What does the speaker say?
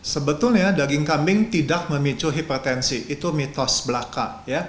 sebetulnya daging kambing tidak memicu hipertensi itu mitos belaka